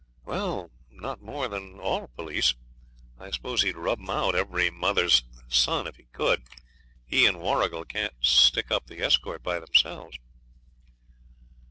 'Not more than on all police. I suppose he'd rub them out, every mother's son, if he could. He and Warrigal can't stick up the escort by themselves.'